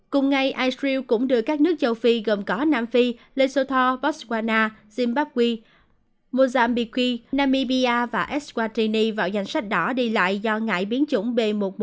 cùng ngày israel cũng đưa các nước châu phi gồm có nam phi lesotho botswana zimbabwe mozambique namibia và eswatini vào danh sách đỏ đi lại do ngại biến chủng b một một năm trăm hai mươi chín